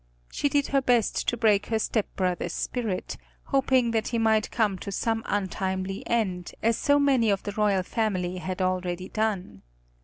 She did her best to break her stepbrother's spirit, hoping that he might come to some untimely end, as so many of the royal family had already done.